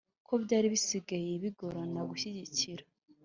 ko byari bisigaye bigorana gushyigikira